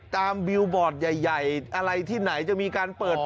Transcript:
บิวบอร์ดใหญ่อะไรที่ไหนจะมีการเปิด